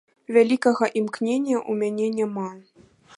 Вялікага імкнення ў мяне няма.